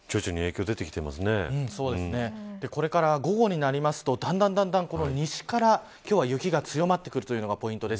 これから午後になりますとだんだん西から今日は雪が強まってくるというのがポイントです。